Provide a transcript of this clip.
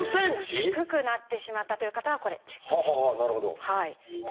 低くなってしまったという方はこれチェックです。